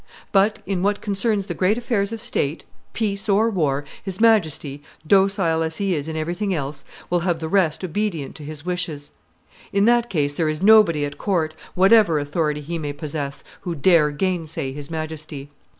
But in what concerns the great affairs of state, peace or war, his Majesty, docile as he is in everything else, will have the rest obedient to his wishes. In that case there is nobody at court, whatever authority he may possess, who dare gainsay his Majesty.